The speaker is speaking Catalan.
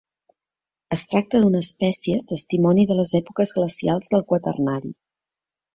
Es tracta d'una espècie testimoni de les èpoques glacials del Quaternari.